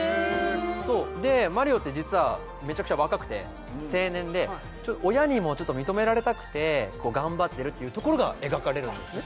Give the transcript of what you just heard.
そうでマリオって実はめちゃくちゃ若くて青年で親にもちょっと認められたくてこう頑張ってるっていうところが描かれるんですね